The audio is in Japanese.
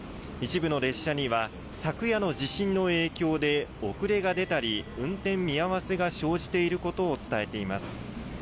一部の列車には、昨夜の地震の影響で遅れが出たり、運転見合わせが生じていることを伝えています。